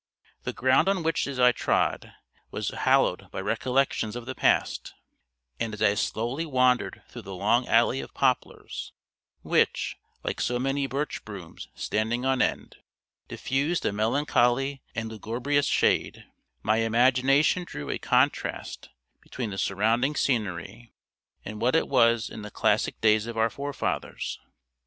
The ground on which is I trod was hallowed by recollections of the past, and as I slowly wandered through the long alley of poplars, which, like so many birch brooms standing on end, diffused a melancholy and lugubrious shade, my imagination drew a contrast between the surrounding scenery, and what it was in the classic days of our forefathers.